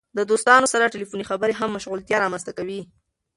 د دوستانو سره ټیلیفوني خبرې هم مشغولتیا رامنځته کوي.